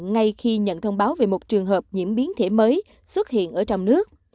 ngay khi nhận thông báo về một trường hợp nhiễm biến thể mới xuất hiện ở trong nước